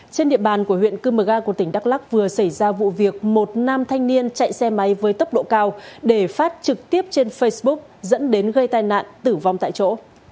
trên địa bàn của huyện cư mờ ga của tỉnh đắk lắc vừa xảy ra vụ việc một nam thanh niên chạy xe máy với tốc độ cao để phát trực tiếp trên facebook dẫn đến gây tai nạn tử vong tại chỗ